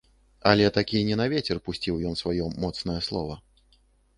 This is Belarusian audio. Але такі не на вецер пусціў ён сваё моцнае слова.